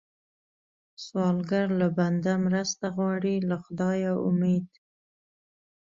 سوالګر له بنده مرسته غواړي، له خدایه امید